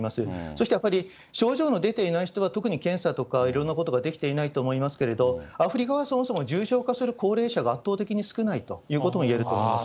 あとは症状の出ていない人は特に検査とか、いろんなことができていないと思いますけれども、アフリカはそもそも重症化する高齢者が圧倒的に少ないということがいえると思います。